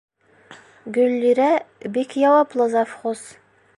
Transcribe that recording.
Гөллирә бик яуаплы завхоз.